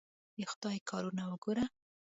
د خدای کارونه وګوره!